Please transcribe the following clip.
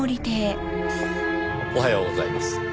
おはようございます。